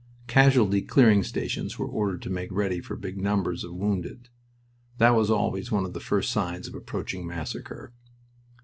Casualty clearing stations were ordered to make ready for big numbers of wounded. That was always one of the first signs of approaching massacre.